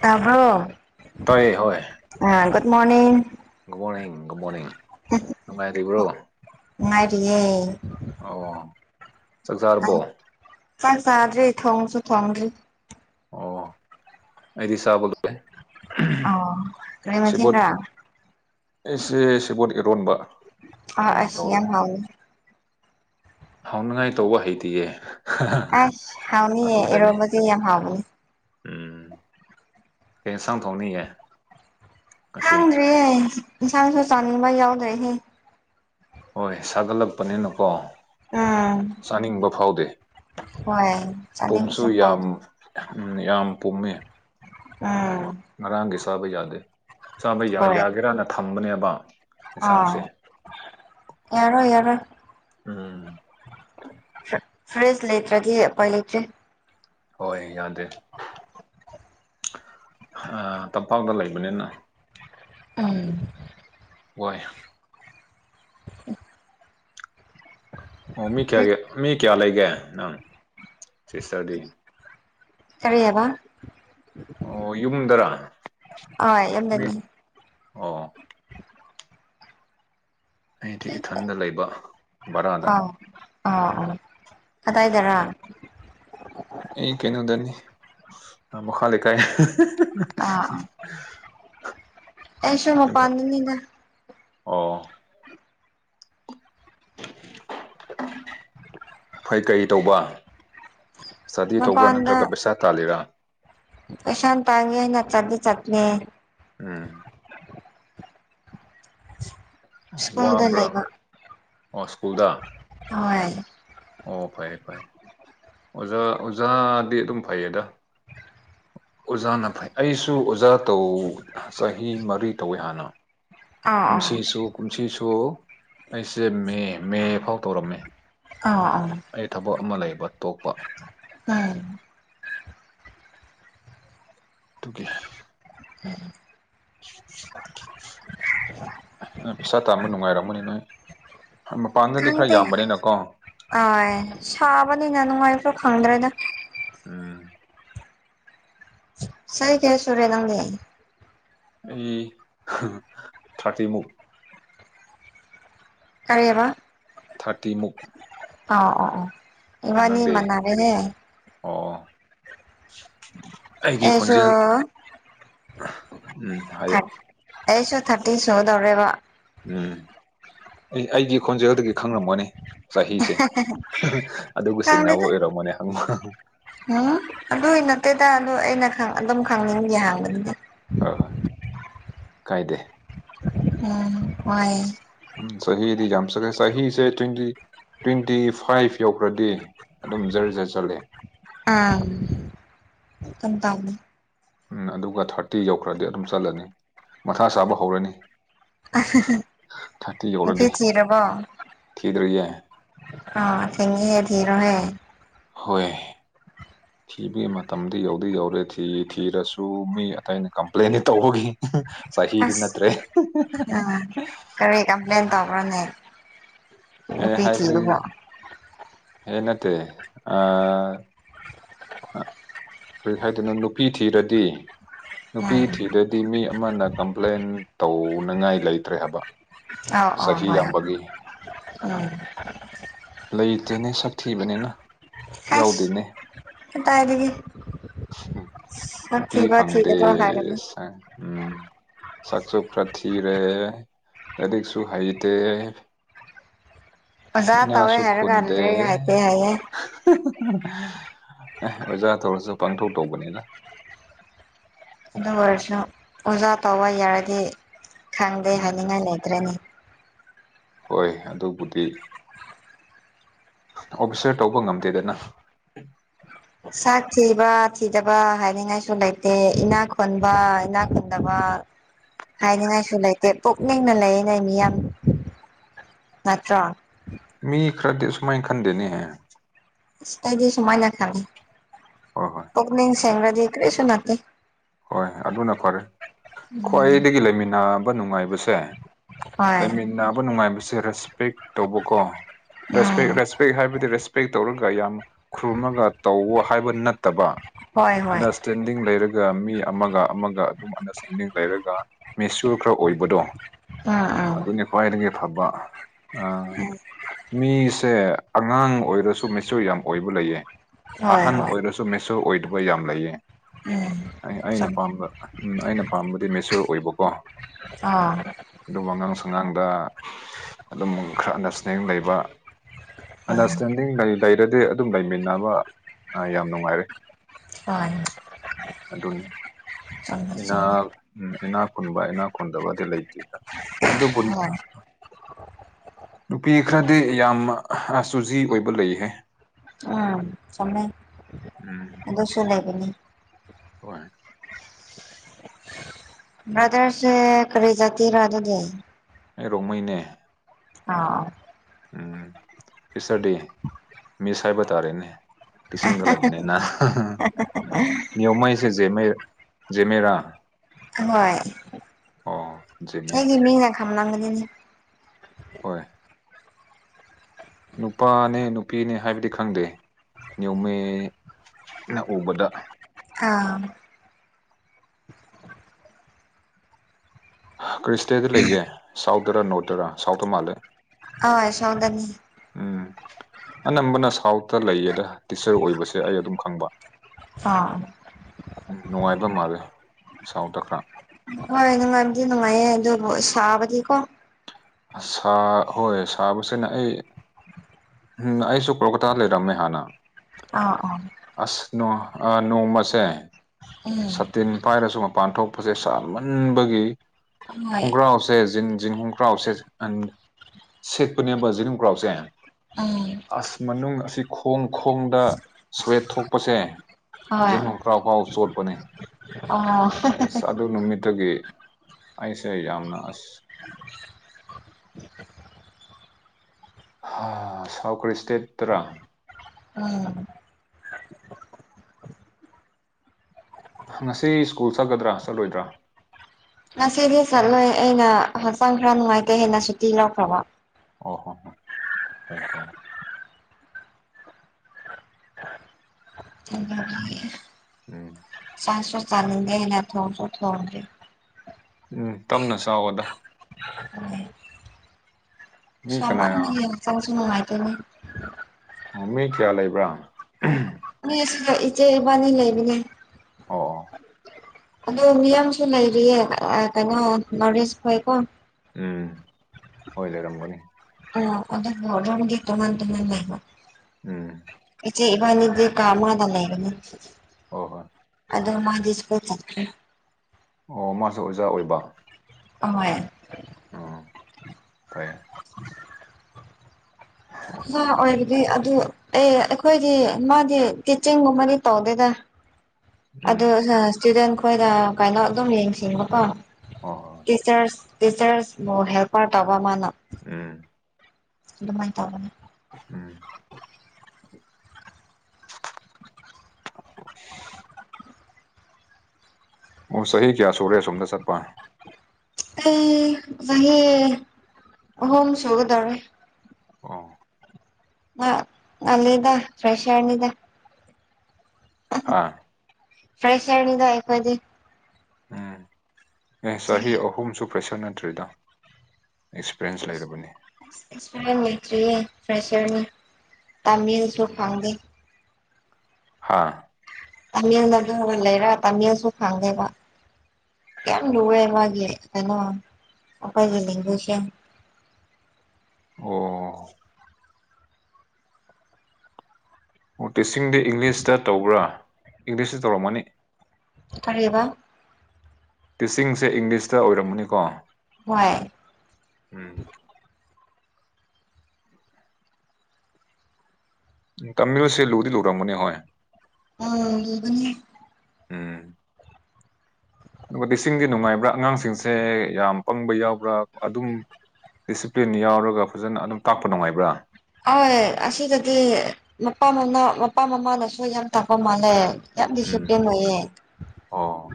[inaudible] ꯇꯥꯕꯣ ꯇꯥꯏꯌꯦ ꯍꯣꯏ ꯑꯥ good morning good morning good morning ꯅꯨꯡꯉꯥꯏꯔꯤꯕ꯭ꯔꯣ [unintelligible] ꯅꯨꯡꯉꯥꯏꯔꯤꯌꯦ ꯆꯥꯛ ꯆꯥꯔꯕꯣ [inaudible] ꯆꯥꯛ ꯆꯥꯗ꯭ꯔꯤ ꯊꯣꯡꯁꯨ ꯊꯣꯡꯗ꯭ꯔꯤ ꯑꯣ ꯑꯩꯗꯤ ꯆꯥꯕ ꯂꯣꯏꯔꯦ ꯑꯣ ꯀꯩ ꯁꯦꯕꯣꯠ ꯃꯊꯦꯟꯔ ꯑꯩꯁꯦ ꯁꯦꯕꯣꯠ ꯏꯔꯣꯟꯕ ꯑꯥ ꯑꯣꯏꯅ ꯑꯁ ꯇꯧꯔꯦ ꯌꯥꯝ ꯍꯥꯎꯅꯤ ꯍꯥꯎꯅꯤꯡꯉꯥꯏ ꯇꯧꯕ ꯍꯩꯇꯤꯌꯦ ꯑꯁ ꯍꯥꯎꯅꯤꯌꯦ ꯑꯗꯨꯗꯅꯦ ꯏꯔꯣꯝꯕꯗꯤ ꯌꯥꯝ ꯍꯥꯎꯕꯅꯦ ꯎꯝ ꯀꯩ ꯏꯟꯁꯥꯡ ꯊꯣꯡꯅꯤꯌꯦ ꯉꯁꯤ ꯈꯡꯗ꯭ꯔꯤꯌꯦ ꯏꯟꯁꯥꯡꯁꯨ ꯆꯥꯅꯤꯡꯕ ꯌꯥꯎꯗ꯭ꯔꯤꯍꯦ ꯍꯣꯏ ꯁꯥꯒꯠꯂꯛꯄꯅꯤꯅꯀꯣ ꯎꯝ ꯆꯥꯅꯤꯡꯕ ꯐꯥꯎꯗꯦ ꯍꯣꯏ ꯄꯨꯝꯁꯨ ꯆꯥꯅꯤꯡꯕꯁꯨ ꯌꯥꯝ ꯐꯥꯎꯗꯦ ꯎꯝ ꯌꯥꯝ ꯄꯨꯝꯃꯦ ꯎꯝ ꯉꯔꯥꯡꯒꯤ ꯆꯥꯕ ꯌꯥꯗꯦ ꯆꯥꯕ ꯌꯥꯒꯦꯔꯅ ꯊꯝꯕꯅꯦꯕ ꯑ ꯌꯦꯟꯁꯥꯡꯁꯦ ꯌꯥꯔꯣꯏ ꯌꯥꯔꯣꯏ ꯎꯝ ꯐ꯭ꯔꯦꯁ ꯂꯩꯇ꯭ꯔꯗꯤ ꯎꯄꯥꯏ ꯂꯩꯇꯦ ꯍꯣꯏ ꯌꯥꯗꯦ [unintelligible] ꯇꯝꯄꯥꯛꯇ ꯂꯩꯕꯅꯤꯅ ꯎꯝ ꯋꯥꯏ ꯑꯣ ꯃꯤ ꯀꯌꯥꯒꯤ ꯃꯤ ꯀꯌꯥ ꯂꯩꯒꯦ ꯅꯪ ꯁꯤꯁꯇꯔꯗꯤ ꯀꯔꯤꯌꯕ ꯑꯣ ꯌꯨꯝꯗꯔ ꯑꯥ ꯃꯤ ꯌꯨꯝꯗꯅꯤ ꯑꯣ ꯑꯩꯗꯤ ꯏꯊꯟꯗ ꯂꯩꯕ ꯕꯔꯥꯗ ꯑꫭ ꯑꯣ ꯀꯗꯥꯏꯗꯔ ꯑꯩ ꯀꯩꯅꯣꯗꯅꯤ ꯃꯈꯥ ꯂꯩꯀꯥꯏ [unintelligible] ꯑꫭ ꯑꫭ ꯑꯩꯁꯨ ꯃꯄꯥꯟꯗꯅꯤꯗ ꯑꯣ [unintelligible] ꯐꯩ ꯀꯔꯤ ꯇꯧꯕ ꯁ꯭ꯇꯗꯤ ꯇꯧꯕ꯭ꯔ ꯅꯠꯇ꯭ꯔꯒ ꯄꯩꯁꯥ ꯇꯥꯜꯂꯤꯔ ꯄꯩꯁꯥ ꯇꯥꯟꯒꯦꯅ ꯆꯠꯇꯤ ꯆꯠꯄꯅꯦ ꯎꯝ [inaudible] ꯁ꯭ꯀꯨꯜꯗ ꯋꯥꯕ꯭ꯔ ꯂꯩꯕ [unintelligible] ꯁ꯭ꯀꯨꯜꯗ ꯋꯥꯏ ꯑꯣ ꯐꯩ ꯐꯩ ꯑꯣꯖꯥ ꯑꯣꯖꯥꯗꯤ ꯑꯗꯨꯝ ꯐꯩꯌꯦꯗ ꯑꯣꯖꯥꯅ ꯐꯩ ꯑꯩꯁꯨ ꯑꯣꯖꯥ ꯇꯧ ꯆꯍꯤ ꯃꯔꯤ ꯇꯧꯋꯦ ꯍꯥꯟꯅ ꯑꯥ ꯑꯥ ꯀꯨꯝꯁꯤꯁꯨ ꯀꯨꯝꯁꯤꯁꯨ ꯑꯩꯁꯦ ꯃꯦ ꯃꯦ ꯐꯥꯎ ꯇꯧꯔꯝꯃꯦ ꯑꯥ ꯑꯥ ꯑꯩ ꯊꯕꯛ ꯑꯃ ꯂꯩꯕ ꯇꯣꯛꯄ ꯎꯝ ꯑꯗꯨꯒꯤ [unintelligible] ꯅꫭꯏ ꯄꯩꯁꯥ ꯇꯥꯟꯕ ꯅꯨꯡꯉꯥꯏꯔꯝꯒꯅꯤ ꯅꯣꯏ ꯃꯄꯥꯟꯗꯗꯤ ꯈꯔ ꯌꯥꯝꯕꯅꯤꯅꯀꯣ ꯑꯍꯣꯏ ꯁꯥꯕꯅꯤꯅ ꯅꯨꯡꯉꯥꯏꯕ꯭ꯔ ꯈꯪꯗ꯭ꯔꯦꯗ ꯎꯝ ꯆꯍꯤ ꯀꯌꯥ ꯁꯨꯔꯦ ꯅꯡꯗꯤ ꯑꯩ [unintelligible] ꯊꯥꯔꯇꯤꯟꯃꯨꯛ ꯀꯔꯤꯕ ꯊꯥꯔꯇꯤꯃꯨꯛ ꯑꯥꯎ ꯑꯣ ꯑꯣ ꯑꯣ ꯏꯕꯥꯟꯅꯤ ꯅꯪꯗꯤ ꯃꯥꯟꯅꯔꯦꯅꯦ ꯑꯣ ꯑꯩꯒꯤ ꯑꯩꯁꯨ ꯈꯣꯟꯖꯦꯜ ꯎꯝ ꯍꯥꯏꯌꯣ ꯑꯩꯁꯨ ꯊꯥꯔꯇꯤ ꯁꯨꯒꯗꯧꯔꯦꯕ ꯎꯝ ꯑꯩ ꯑꯩꯒꯤ ꯈꯣꯟꯖꯦꯜ ꯗꯒꯤ ꯈꯪꯔꯝꯒꯅꯤ ꯆꯍꯤꯁꯦ ꯑꯗꯨꯒ ꯆꯤꯡꯅꯕ ꯈꯪꯗꯦꯗ ꯑꯣꯏꯔꯝꯃꯣꯅꯦ ꯍꯪ ꯎꯝ ꯑꯗꯨꯏ ꯅꯠꯇꯦꯗ ꯑꯗꯨ ꯑꯩꯅ ꯑꯗꯨꯝ ꯈꯪꯅꯤꯡꯕꯒꯤ ꯍꯥꯡꯕꯅꯤꯗ ꯍꯣꯏ ꯍꯣꯏ ꯀꯥꯏꯗꯦ ꯎꯝ ꯋꯥꯏꯌꯦ ꯎꯝ ꯆꯍꯤꯗꯤ ꯌꯥꯝ ꯆꯛꯉꯦ ꯆꯍꯤꯁꯦ ꯇ꯭ꯋꯦꯟꯇꯤ ꯇ꯭ꯋꯦꯟꯇꯤ ꯐꯥꯏꯚ ꯌꯧꯈ꯭ꯔꯗꯤ ꯑꯗꯨꯝ ꯖꯔ ꯖꯔ ꯆꯠꯂꯦ ꯎꯝ ꯇꯨꯝ ꯇꯧꯕꯅꯤ ꯎꯝ ꯑꯗꯨꯒ ꯊꯥꯔꯇꯤ ꯌꯧꯈ꯭ꯔꯗꯤ ꯑꯗꯨꯝ ꯆꯠꯂꯅꯤ ꯃꯊꯥ ꯁꯥꯕ ꯍꯧꯔꯅꯤ ꯊꯥꯇꯤ ꯅꯨꯄꯤ ꯌꯧꯔꯗꯤ ꯊꯤꯔꯕꯣ ꯊꯤꯗ꯭ꯔꯤꯌꯦ ꯑꯥ ꯊꯦꯡꯉꯦ ꯊꯤꯔꯣꯍꯦ ꯍꯣꯏ [inaudible] ꯊꯤꯕꯒꯤ ꯃꯇꯝꯗꯤ ꯌꯧꯗꯤ ꯌꯧꯔꯦ ꯊꯤ ꯊꯤꯔꯁꯨ ꯃꯤ ꯑꯇꯩꯅ ꯀꯝꯄ꯭ꯂꯦꯟꯗꯤ ꯇꯧꯕꯒꯤ ꯁꯍꯤꯗꯤ ꯑꯁ ꯅꯠꯔꯦ ꯃꯅꯦ ꯑꯦ ꯍꯥꯏꯕꯗꯤ ꯑꯦꯅꯠꯇꯦ ꯑ ꯀꯔꯤ ꯍꯥꯏꯗꯣꯏꯅꯣ ꯅꯨꯄꯤ ꯊꯤꯔꯗꯤ ꯅꯨꯄꯤ ꯎꯝ ꯊꯤꯗꯗꯤ ꯃꯤ ꯑꯃꯅ ꯀꯝꯄ꯭ꯂꯦꯟ ꯇꯧꯅꯤꯡꯉꯥꯏ ꯂꯩꯇ꯭ꯔꯦ ꯍꯥꯏꯕ ꯑꯥꯎ ꯑꯥꯎ ꯆꯍꯤ ꯍꯣꯏ ꯌꯥꯝꯕꯒꯤ ꯎꯝ ꯂꯩꯇꯦꯅꯦ ꯁꯛꯊꯤꯕꯅꯤꯅ ꯍꯥꯁ ꯌꯥꯎꯗꯦꯅꯦ ꯀꯗꯥꯏꯗꯒꯤ ꯁꯛ ꯅꯨꯄꯤ ꯊꯤꯕ ꯐꯪꯗꯦ ꯊꯤꯗꯕ ꯍꯥꯏꯔꯅꯤ ꯎꯝ ꯁꯛꯁꯨ ꯈꯔ ꯊꯤꯔꯦ ꯂꯥꯏꯔꯤꯛꯁꯨ ꯍꯩꯇꯦ ꯑꯣꯖꯥ ꯇꯧꯋꯦ ꯏꯅꯥꯁꯨ ꯍꯥꯏꯔꯒ ꯈꯨꯟꯗꯦ ꯂꯥꯏꯔꯤꯛ ꯍꯩꯇꯦ ꯍꯥꯏꯌꯦ ꯑꯣꯖꯥ ꯇꯧꯔꯁꯨ ꯄꯥꯡꯇꯧ ꯇꯧꯕꯅꯤꯗ ꯑꯗꯨ ꯑꯣꯏꯔꯁꯨ ꯑꯣꯖꯥ ꯇꯧꯕ ꯌꯥꯔꯗꯤ ꯈꯪꯗꯦ ꯎꯝ ꯍꯥꯏꯅꯤꯡꯉꯥꯏ ꯂꯩꯇ꯭ꯔꯦꯅꯦ ꯍꯣꯏ ꯑꯗꯨꯕꯨꯗꯤ ꯑꯣꯛꯁꯔ ꯇꯧꯕ ꯉꯝꯗꯦꯗꯅ ꯁꯥꯛ ꯊꯤꯕ ꯊꯤꯗꯕ ꯍꯥꯏꯅꯤꯡꯉꯥꯏꯁꯨ ꯂꯩꯇꯦ ꯏꯅꯥ ꯈꯨꯟꯕ ꯏꯅꯥ ꯈꯨꯟꯗꯕ ꯍꯥꯏꯅꯤꯡꯉꯥꯏꯁꯨ ꯂꯩꯇꯦ ꯄꯨꯛꯅꯤꯡꯅ ꯂꯩꯌꯦꯅꯦ ꯃꯤ ꯌꯥꯝ ꯅꯠꯇ꯭ꯔꯣ ꯃꯤ ꯈꯔꯗꯤ ꯑꯁꯨꯃꯥꯏ ꯈꯟꯗꯦꯅꯦꯍꯦ ꯏꯁ ꯑꯩꯗꯤ ꯑꯁꯨꯃꯥꯏꯅ ꯈꯜꯂꯤ ꯍꯣꯏ ꯍꯣꯏ ꯄꯛꯅꯤꯡ ꯁꯦꯡꯗꯤ ꯀ꯭ꯔꯤꯁꯨ ꯅꯠꯇꯦ ꯍꯣꯏ ꯑꯗꯨꯅ ꯐꯔꯦ ꯎꯝ ꯈ꯭ꯋꯥꯏꯗꯒꯤ ꯂꯩꯃꯤꯟꯅꯕ ꯅꯨꯡꯉꯥꯏꯕꯁꯦ ꯍꯣꯏ ꯂꯩꯃꯤꯟꯅꯕ ꯅꯨꯡꯉꯥꯏꯕꯁꯦ ꯔꯦꯁꯄꯦꯛ ꯇꯧꯕꯀꯣ ꯔꯦꯁꯄꯦꯛ ꯎꯝ ꯁꯄꯦꯛ ꯍꯥꯏꯕꯗꯤ ꯔꯦꯁꯄꯦꯛ ꯇꯧꯔꯒ ꯌꯥꯝ ꯈꯨꯔꯨꯝꯃꯒ ꯇꯧꯑꯣ ꯍꯥꯏꯕ ꯅꯠꯇꯕ ꯍꯣꯏ ꯍꯣꯏ ꯑꯟꯗꯔꯁꯇꯦꯟꯗꯤꯡ ꯂꯩꯔꯒ ꯃꯤ ꯃꯤ ꯑꯃꯒ ꯑꯃꯒ ꯑꯗꯨꯝ ꯑꯟꯗꯔꯁꯇꯦꯟꯗꯤꯡ ꯂꯩꯔꯒ ꯃꯤꯁꯣꯔ ꯈꯔ ꯑꯣꯏꯕꯗꯣ ꯎꯝ ꯎꯝ ꯑꯗꯨꯅꯤ ꯈ꯭ꯋꯥꯏꯗꯒꯤ ꯐꯕ ꯑ ꯎꯝ ꯃꯤꯁꯦ ꯑꯉꯥꯡ ꯑꯣꯏꯔꯁꯨ ꯃꯆꯣꯔ ꯌꯥꯝ ꯑꯣꯏꯕ ꯂꯩꯌꯦ ꯍꯣꯏ ꯑꯍꯟ ꯑꯣꯏꯔꯁꯨ ꯇꯣ ꯃꯦꯁꯣ ꯑꯣꯏꯗꯕ ꯌꯥꯝ ꯂꯩꯌꯦ ꯑꯦ ꯑꯩ ꯑꯩꯅ ꯄꯥꯝꯕ ꯎꯝ ꯑꯩꯅ ꯄꯥꯝꯕꯗꯤ ꯃꯦꯆꯣꯔ ꯑꯣꯏꯕꯀꯣ ꯑꯥ ꯗꯨꯝ ꯑꯉꯥꯡ ꯁꯥꯉꯥꯡꯗ ꯑꯗꯨꯝ ꯈ꯭ꯔ ꯑꯟꯗꯔꯁꯇꯦꯟꯗꯤꯡ ꯂꯩꯕ ꯎꯝ ꯑꯟꯗꯔꯁꯇꯦꯟꯗꯤꯡ ꯂꯩ ꯂꯩꯔꯗꯤ ꯑꯗꯨꯝ ꯂꯩꯃꯤꯟꯅꯕ ꯑ ꯌꯥꯝ ꯅꯨꯡꯉꯥꯏꯔꯦ ꯃꯥꯅꯤ ꯑꯗꯨꯅꯤ ꯆꯨꯝꯃꯦ ꯏꯅꯥꯛ ꯎꯝ ꯏꯅꯥꯛꯈꯨꯨꯟꯕ ꯏꯅꯥꯛꯈꯨꯨꯟꯗꯕꯗꯤ ꯂꯩꯇꯦꯗ ꯑꯗꯨꯕꯨ ꯍꯣꯏ ꯅꯨꯄꯤ ꯈ꯭ꯔꯗꯤ ꯌꯥꯝ ꯍ ꯁꯨꯨꯖꯤ ꯑꯣꯏꯕ ꯂꯩꯍꯦ ꯎꯝ ꯆꯨꯝꯃꯦ ꯎꯝ ꯑꯗꯨꯁꯨꯨ ꯂꯩꯕꯅꯤ ꯍꯣꯏ ꯕ꯭ꯔꯗꯔꯆꯦ ꯀꯔꯤ ꯖꯥꯇꯤꯔ ꯑꯗꯨꯗꯤ ꯑꯩ ꯔꯣꯡꯃꯩꯅꯦ ꯑꯥꯎ ꯎꯝ ꯁꯤꯁꯇꯔꯗꯤ ꯃꯤꯁ ꯍꯥꯏꯕ ꯇꯥꯔꯦꯅꯦ ꯇꯤꯆꯤꯡꯗ ꯂꯩꯕꯅꯤꯅ ꯅꯤꯌꯣꯃꯩꯁꯦ ꯖꯦꯃꯦ ꯖꯦꯃꯦꯔꯥ ꯑꯍꯣꯏ ꯑꯣ ꯖꯦꯃꯦ ꯑꯩꯒꯤ ꯃꯤꯅ ꯈꯝꯂꯝꯒꯅꯤꯅꯦ ꯍꯣꯏ ꯅꯨꯄꯥꯅꯦ ꯅꯨꯄꯤꯅꯦ ꯍꯥꯏꯕꯗꯤ ꯈꯪꯗꯦ ꯅ꯭ꯌꯣꯃꯦ ꯅ ꯎꯕꯗ ꯍꯥꯝ ꯀꯔꯤ ꯏꯁꯇꯦꯠꯗ ꯂꯩꯒꯦ ꯁꯥꯎꯠꯇꯔ ꯅꯣꯔꯠꯇꯔ ꯁꯥꯎꯠꯇ ꯃꯥꯜꯂꯦ ꯑꯥ ꯁꯥꯎꯗꯅꯤ ꯎꯝ ꯑꯅꯝꯕꯅ ꯁꯥꯎꯠꯇ ꯂꯩꯌꯦꯗ ꯇꯤꯆꯔ ꯑꯣꯏꯕꯁꯦ ꯑꯩ ꯑꯗꯨꯝ ꯈꯪꯕ ꯑꯥ ꯎꯝ ꯅꯨꯡꯉꯥꯏꯕ ꯃꯥꯜꯂꯦ ꯁꯥꯎꯠꯇ ꯈ꯭ꯔ ꯍꯣꯏ ꯅꯨꯡꯉꯥꯏꯕꯗꯤ ꯅꯨꯡꯉꯥꯏꯌꯦ ꯑꯗꯨꯕꯨ ꯁꯥꯕꯗꯤꯀꯣ ꯑ ꯁꯥꯥ ꯍꯣꯏ ꯁꯥꯕꯁꯤꯅ ꯑꯩ ꯎꯝ ꯑꯩꯁꯨ ꯀꯣꯜꯀꯇꯥꯗ ꯂꯩꯔꯝꯃꯦ ꯍꯥꯟꯅ ꯑꯥ ꯑꯣ ꯑꯁ ꯅꯣꯡ ꯑꯥ ꯅꯣꯡꯃꯥꯁꯦ ꯎꯝ ꯁꯇꯤꯟ ꯄꯥꯏꯔꯁꯨ ꯃꯄꯥꯟ ꯊꯣꯛꯄꯁꯦ ꯁꯥꯃꯟꯕꯒꯤ ꯍꯣꯏ ꯍꯣꯡꯒ꯭ꯔꯥꯎꯁꯦ ꯖꯤꯟ ꯖꯤꯟ ꯍꯣꯡꯀ꯭ꯔꯥꯎꯁꯦ ꯑꯟ ꯁꯤꯠꯄꯅꯦꯕ ꯖꯤꯟ ꯒ꯭ꯔꯥꯎꯁꯦ ꯎꯝ ꯑꯁ ꯃꯅꯨꯡ ꯑꯁꯤ ꯈꯣꯡ ꯈꯣꯡꯗ ꯁ꯭ꯋꯦꯠ ꯊꯣꯛꯄꯁꯦ ꯍꯣꯏ ꯖꯤꯟ ꯍꯨꯡꯀ꯭ꯔꯥꯎꯐꯥꯎ ꯆꯣꯠꯄꯅꯦ ꯑꯣ ꯑꯁ ꯑ ꯗꯨ ꯅꯨꯃꯤꯠꯇꯒꯤ ꯑꯩꯁꯦ ꯌꯥꯝꯅ ꯑꯁ ꯍꯥ ꯁꯥꯎ ꯀꯔꯤ ꯏꯁꯇꯦꯠꯇꯔꯥ ꯎꯝ ꯉꯁꯤ ꯁ꯭ꯀꯨꯜ ꯆꯠꯀꯗ꯭ꯔꯥ ꯆꯠꯂꯣꯏꯗ꯭ꯔꯥ ꯉꯁꯤꯗꯤ ꯆꯠꯂꯣꯏ ꯑꯩꯅ ꯍꯛꯆꯥꯡ ꯈ꯭ꯔ ꯅꯨꯡꯉꯥꯏꯇꯦ ꯍꯩꯅ ꯁꯨꯇꯤ ꯂꯧꯈ꯭ꯔꯕ ꯑꯣ ꯍꯣ-ꯍꯣ ꯍꯣꯏ ꯍꯣꯏ [inaudible] ꯎꯝ ꯆꯥꯁꯨ ꯆꯅꯤꯡꯗꯦꯅ ꯊꯣꯡꯁꯨ ꯊꯣꯡꯗ꯭ꯔꯤ ꯎꯝ ꯇꯞꯅ ꯆꯥꯎꯑꯣꯗ [inaudible] ꯃꯤ ꯀꯅꯥ ꯁꯥꯃꯟꯕꯒꯤ [inaudible] ꯍꯆꯥꯡꯁꯨ ꯅꯨꯡꯉꯥꯏꯇꯦꯅꯦ ꯑꯣ ꯃꯤ ꯀꯌꯥ ꯂꯩꯕ꯭ꯔꯥ ꯃꯤ ꯑꯁꯤꯗ ꯏꯆꯦ ꯏꯕꯥꯟꯅꯤ ꯂꯩꯕꯅꯦ ꯑꯣ ꯑꯗꯣ ꯃꯤꯌꯥꯝꯁꯨ ꯂꯩꯔꯤꯌꯦ ꯑꯥ ꯀꯩꯅꯣ ꯅꯣꯔꯠ ꯏꯁꯈꯣꯏ ꯀꯣ ꯎꯝ ꯍꯣꯏ ꯂꯩꯔꯝꯒꯅꯤ ꯑ ꯑꯗꯨꯕꯨ ꯔꯨꯝꯗꯤ ꯇꯣꯡꯉꯥꯟ ꯇꯣꯡꯉꯥꯟ ꯂꯩꯕ ꯎꯝ ꯏꯆꯦ ꯏꯕꯥꯟꯅꯤꯗꯤ ꯀꯥ ꯑꯃꯗ ꯂꯩꯕꯅꯦ ꯍꯣꯏ ꯍꯣꯏ ꯑꯗꯨ ꯃꯥꯗꯤ ꯁ꯭ꯀꯨꯜ ꯆꯠꯈ꯭ꯔꯦ ꯑꯣ ꯃꯥꯁꯨ ꯑꯣꯖꯥ ꯑꯣꯏꯕ ꯍꯣꯏ ꯑꯣ ꯐꯩꯌꯦ ꯑꯣꯖꯥ ꯑꯣꯏꯕꯗꯤ ꯑꯗꯨ ꯑꯦ ꯑꯩꯈꯣꯏꯗꯤ ꯃꯥꯗꯤ ꯇꯤꯆꯤꯡꯒꯨꯝꯕꯗꯤ ꯇꯧꯗꯦꯗ ꯑꯗꯨ ꯎꯝ [inaudible] ꯁ꯭ꯇꯨꯗꯦꯟꯠ ꯈꯣꯏꯗ ꯀꯩꯅꯣ ꯑꯗꯨꯝ ꯌꯦꯡꯁꯤꯟꯕꯀꯣ ꯍꯣꯏ ꯍꯣꯏ ꯇꯤꯆꯔꯁ ꯇꯤꯆꯔꯁꯕꯨ ꯍꯦꯜꯄꯔ ꯇꯧꯕꯥ ꯃꯥꯅ ꯎꯝ ꯑꯗꯨꯃꯥꯏꯅ ꯇꯧꯕꯅꯤ ꯎꯝ ꯑꯣ ꯆꯍꯤ ꯀꯌꯥ ꯁꯨꯔꯦ ꯑꯁꯣꯝꯗ ꯆꯠꯄ ꯑꯩ ꯆꯍꯤ ꯑꯍꯨꯝ ꯁꯨꯒꯗꯧꯔꯦ ꯑꯣ [inaudible] ꯉꯜꯂꯦꯗ ꯐ꯭ꯔꯦꯁꯔꯅꯤꯗ ꯍꯥꯥ ꯐ꯭ꯔꯦꯁꯔꯅꯤꯗ ꯑꯩꯈꯣꯏꯗꯤ ꯎꯝ ꯑꯦ ꯆꯍꯤ ꯑꯍꯨꯝ ꯁꯨꯈ꯭ꯔ [inaudible] ꯐ꯭ꯔꯦꯁꯔ ꯅꯠꯇ꯭ꯔꯦꯗ ꯑꯦꯛꯁꯄꯤꯔꯤꯑꯦꯟꯁ ꯂꯩꯔꯕꯅꯦ ꯑꯦꯛꯁꯄꯤꯔꯤꯑꯦꯟꯁ ꯂꯩꯇ꯭ꯔꯤꯌꯦ ꯐ꯭ꯔꯦꯁꯔꯅꯤ ꯇꯝꯃꯤꯌꯦ ꯑꯩꯁꯨ [inaudible] ꯎꯝ. ꯍꯥ ꯇꯥꯃꯤꯜꯗꯁꯨ ꯂꯩꯔ ꯇꯥꯃꯤꯜꯁꯨ ꯈꯪꯗꯦꯕ ꯌꯥꯝ ꯂꯨꯋꯦ ꯃꯥꯒꯤ ꯀꯩꯅꯣ ꯃꯈꯣꯏꯒꯤ ꯂꯦꯡꯒꯨꯏꯁꯁꯦ ꯌꯥꯝ ꯑꯣ ꯑꯣ ꯇꯤꯆꯤꯡꯗꯤ ꯏꯪꯂꯤꯁꯇ ꯇꯧꯕ꯭ꯔꯥ ꯏꯪꯂꯤꯁꯇ ꯇꯧꯔꯝꯃꯅꯤ ꯀꯔꯤꯕ ꯇꯤꯆꯤꯡꯁꯦ ꯏꯪꯂꯤꯁꯇ ꯑꯣꯏꯔꯝꯃꯅꯤꯀꯣ ꯍꯣꯏ ꯎꯝ ꯎꯝ ꯇꯥꯃꯤꯜꯁꯦ ꯂꯨꯗꯤ ꯂꯨꯔꯝꯒꯅꯤ ꯍꯣꯏ ꯑ ꯂꯨꯕꯅꯦ ꯎꯝ ꯑꯗꯨꯒ ꯇꯤꯆꯤꯡꯗꯤ ꯅꯨꯡꯉꯥꯏꯕ꯭ꯔꯥ ꯑꯉꯥꯡꯁꯤꯡꯁꯦ ꯌꯥꯝ ꯄꯪꯕ ꯌꯥꯎꯕ꯭ꯔꯥ ꯑꯗꯨꯝ ꯗꯤꯁꯤꯄ꯭ꯂꯤꯟ ꯌꯥꯎꯔꯒ ꯐꯖꯅ ꯑꯗꯨꯝ ꯇꯥꯛꯄ ꯅꯨꯡꯉꯥꯏꯕ꯭ꯔꯥ ꯑꯣꯏ ꯑꯁꯤꯗꯗꯤ ꯃꯄꯥ ꯃꯃꯥ ꯃꯄꯥ ꯃꯃꯥꯅꯁꯨ ꯌꯥꯝ ꯇꯥꯛꯄ ꯃꯥꯜꯂꯦ ꯌꯥꯝ ꯎꯝ ꯗꯤꯁꯤꯄ꯭ꯂꯤꯟ ꯑꯣꯏꯌꯦ ꯑꯣ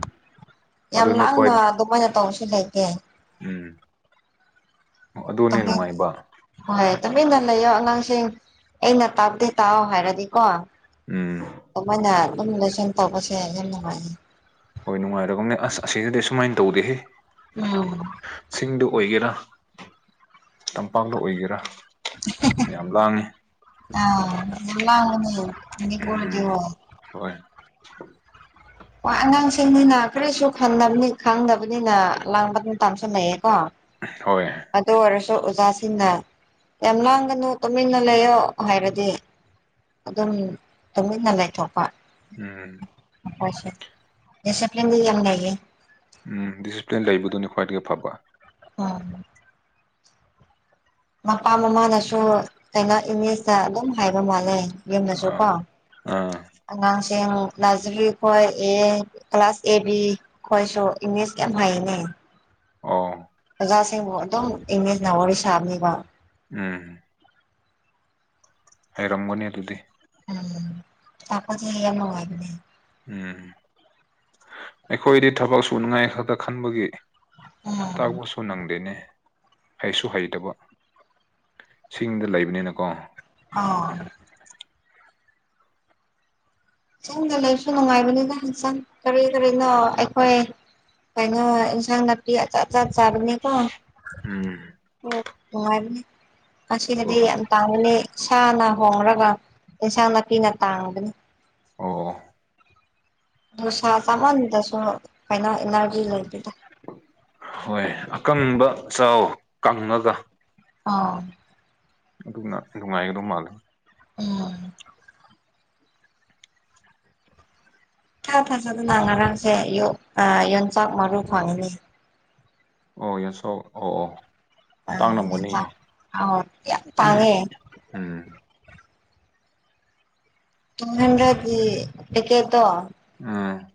ꯌꯥꯝ ꯑꯗꯨꯅꯦ ꯂꯥꯡꯅ ꯈ꯭ꯋꯥꯏ ꯑꯗꯨꯃꯥꯏꯅ ꯇꯧꯕꯁꯨ ꯂꯩꯇꯦ ꯎꯝ ꯑꯗꯨꯅꯦ ꯅꯨꯡꯉꯥꯏꯕ [unintelligible] ꯍꯣꯏ ꯇꯨꯃꯤꯟꯅ ꯂꯩꯌꯣ ꯑꯉꯥꯡꯁꯤꯡ ꯑꯩꯅ ꯇꯥꯛꯞꯗꯤ ꯇꯥꯎ ꯍꯥꯏꯔꯗꯤꯀꯣ ꯎꯝ ꯑꯃꯅ ꯑꯗꯨꯝ [unintelligible] ꯇꯧꯕꯁꯦ ꯌꯥꯝ ꯅꯨꯡꯉꯥꯏꯌꯦ ꯍꯣꯏ ꯅꯨꯡꯉꯥꯏꯔꯒꯨꯝꯅꯦ ꯑꯁ ꯑꯁꯤꯗꯗꯤ ꯑꯨꯃꯥꯏꯅ ꯇꯧꯗꯦꯍꯦ ꯎꯝ ꯆꯤꯡꯗ ꯑꯣꯏꯒꯦꯔꯥ ꯇꯝꯄꯥꯛꯗ ꯑꯣꯏꯒꯦꯔꯥ ꯌꯥꯝ ꯑꯍꯥ ꯂꯥꯡꯉꯤ ꯍꯥ ꯑꯥ ꯌꯝ ꯋꯥꯕꯅꯦ ꯎꯝ ꯃꯅꯤꯄꯨꯔꯗꯣ ꯍꯣꯏ ꯋꯥꯅꯥ ꯁꯦꯝꯕꯅꯤꯅꯥ ꯀꯔꯤꯁꯨ ꯈꯟꯗꯝ ꯈꯪꯗꯕꯅꯤꯅꯥ [unintelligible] ꯂꯩꯌꯦꯀꯣ ꯍꯣꯏ ꯑꯗꯨ ꯑꯣꯏꯔꯁꯨ ꯑꯣꯖꯥꯁꯤꯡꯅ ꯌꯥꯝ ꯂꯥꯡꯒꯅꯨ ꯇꯨꯃꯤꯟꯅ ꯂꯩꯌꯣ ꯍꯥꯏꯔꯗꯤ ꯑꯗꯨꯝ ꯇꯨꯃꯤꯟꯅ ꯂꯩꯊꯣꯛꯄ ꯎꯝ ꯃꯣꯏꯁꯦ ꯗꯤꯁꯤꯄ꯭ꯂꯤꯟꯗꯤ ꯌꯝ ꯂꯩꯌꯦ ꯎꯝ ꯗꯤꯁꯤꯄ꯭ꯂꯤꯟ ꯂꯩꯕꯗꯨꯅꯤ ꯈ꯭ꯋꯥꯏꯗꯒꯤ ꯐꯕ ꯑꯣ ꯃꯄꯥ ꯃꯃꯥꯅꯁꯨ ꯀꯩꯅꯣ ꯏꯪꯂꯤꯁꯇ ꯑꯗꯨꯝ ꯍꯥꯏꯕ ꯃꯥꯥꯟꯂꯩ ꯌꯨꯃꯗꯁꯨ ꯀꯣ ꯑꯥ ꯑꯥ ꯑꯉꯥꯡꯁꯤꯡ ꯅꯥꯖꯔꯤ ꯈꯣꯏ ꯑꯦ ꯀ꯭ꯂꯥꯁ ꯑꯦ ꯕꯤ ꯑꯩꯈꯣꯏꯁꯨ ꯏꯪꯂꯤꯁ ꯀꯌꯥꯝ ꯍꯩꯅꯤ ꯑꯣ ꯑꯣꯖꯥꯁꯤꯡꯕꯨ ꯑꯗꯨꯝ ꯏꯪꯂꯤꯁꯅ ꯋꯥꯔꯤ ꯁꯥꯕꯅꯤꯕ ꯎꯝ ꯍꯩꯔꯝꯒꯅꯤ ꯑꯗꯨꯗꯤ ꯎꯝ ꯇꯥꯛꯄꯗꯤ ꯌꯥꯝ ꯅꯨꯉꯥꯏꯕꯅꯦ ꯎꯝ ꯑꯩꯈꯣꯏꯗꯤ ꯊꯕꯛ ꯁꯨꯅꯤꯉꯥꯏ ꯈꯛꯇ ꯈꯟꯕꯒꯤ ꯎꯝ [unintelligible] ꯅꯪꯗꯦꯅꯦ ꯍꯩꯁꯨ ꯍꯩꯇꯕ ꯆꯤꯡꯗ ꯂꯩꯕꯅꯤꯅꯀꯣ ꯑꯣ ꯆꯤꯡꯗ ꯂꯩꯕꯁꯨ ꯅꯨꯡꯉꯥꯏꯕꯅꯤꯗ ꯍꯦꯟꯁꯥꯡ ꯀꯔꯤ ꯀꯔꯤꯅꯣ ꯑꯩꯈꯣꯏ ꯀꯩꯅꯣ ꯏꯟꯁꯥꯡ ꯅꯥꯄꯤ ꯑꯆꯥꯠ ꯑꯆꯥꯠ ꯆꯥꯕꯅꯤꯀꯣ ꯎꯝ ꯑꯣ ꯅꯨꯡꯉꯥꯏꯅꯤ ꯍꯣꯏ ꯑꯁꯤꯒꯗꯤ ꯍꯣꯏ ꯌꯝ [unintelligible] ꯁꯥꯅ ꯍꯣꯡꯂꯒ ꯏꯟꯁꯥꯡ ꯅꯥꯄꯤꯅ ꯇꯥꯡꯕꯅꯤ ꯑꯣ ꯗꯨ ꯁꯥ ꯆꯥꯃꯟꯗꯔ꯭ꯁꯨ ꯀꯩꯅ ꯏꯅꯔꯖꯤ ꯂꯩꯇꯦꯗ ꯍꯣꯏ ꯑꯀꯪꯕ ꯆꯥꯎ ꯀꯪꯉꯒ ꯑꯥ ꯑꯗꯨꯅ ꯅꯨꯡꯉꯥꯏꯒꯗꯧ ꯃꯥꯜꯂꯦ ꯎꯝ ꯥꯢꯊꯥ ꯊꯥꯖꯗꯅ ꯉꯔꯥꯡꯁꯦ ꯑꯌꯨꯛꯇ ꯌꯣꯡꯆꯥꯛ ꯃꯔꯨ ꯐꯪꯅꯤ ꯑꯣ ꯌꯥꯁꯣ ꯑꯣ ꯑꯣ ꯑ ꯇꯥꯡꯅꯝꯒꯅꯤꯌꯦ ꯌꯣꯟꯆꯥꯛ ꯑꯧ ꯌꯥꯝ ꯇꯥꯡꯉꯦ ꯎꯝ ꯑꯁ ꯇꯨꯝꯅꯤꯡꯔꯗꯤ ꯄꯦꯀꯦꯠꯇꯦ ꯎꯝ